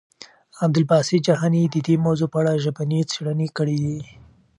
عبدالباسط جهاني د دې موضوع په اړه ژبني څېړنې کړي دي.